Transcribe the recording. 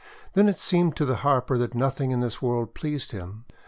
Then it seemed to the Harper that nothing in this world pleased him.